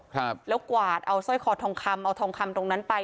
ครับแล้วกวาดเอาสร้อยคอทองคำเอาทองคำตรงนั้นไป